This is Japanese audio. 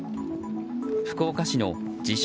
福岡市の自称